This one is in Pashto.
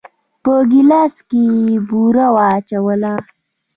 په ګيلاس کې يې بوره واچوله.